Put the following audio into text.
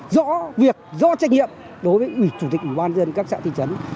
rõ việc rõ trách nhiệm đối với ủy chủ tịch ủy ban dân các xã thị trấn